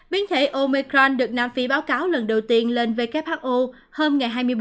biến thể omicron được nam phi báo cáo lần đầu tiên lên who hôm hai mươi bốn một mươi một